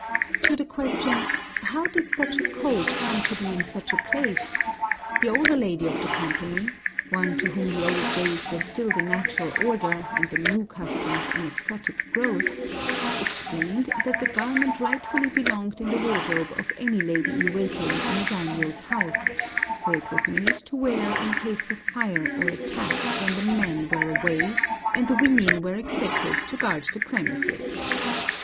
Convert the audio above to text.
To the question, How did such a coat come to be in such a place? the older lady of the company one to whom the old days were still the natural order and the new customs an exotic growth explained that the garment rightfully belonged in the wardrobe of any lady in waiting in a daimiō's house, for it was made to wear in case of fire or attack when the men were away, and the women were expected to guard the premises.